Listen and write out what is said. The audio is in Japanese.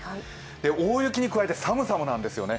大雪に加えて寒さもなんですよね。